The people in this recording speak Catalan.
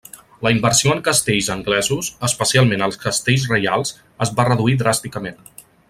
La inversió en castells anglesos, especialment els castells reials, es va reduir dràsticament.